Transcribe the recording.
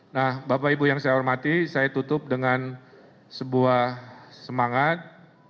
nah bapak ibu yang saya hormati saya tutup dengan sebuah semangat